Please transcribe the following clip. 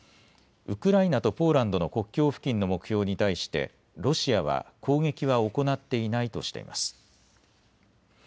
ウクライナとポーランドの国境付近の目標に対してロシアは攻撃は行っていないとしています。